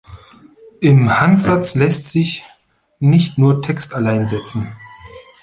Im Handsatz lässt sich nicht nur Text allein setzen.